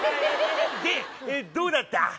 でどうだった？